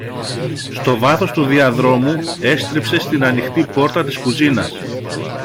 Στο βάθος του διαδρόμου έστριψε στην ανοιχτή πόρτα της κουζίνας